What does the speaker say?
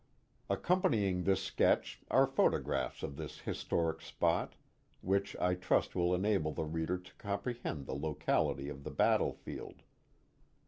Accompanying this sketch are photographs of this historic spot, which I trust will enable the reader to comprehend the locality of the battle field.